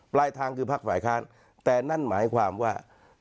ปลายทางคือภาคฝ่ายค้านแต่นั่นหมายความว่า